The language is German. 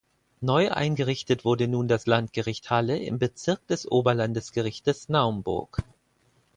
Neu eingerichtet wurde nun das Landgericht Halle im Bezirk des Oberlandesgerichtes Naumburg.